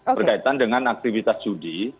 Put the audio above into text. berkaitan dengan aktivitas judi